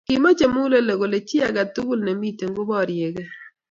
Kimochei Mulee kole chii age tugul chii agetugul ne miten koboriekei komie.